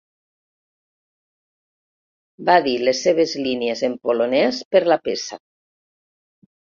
Va dir les seves línies en polonès per la peça.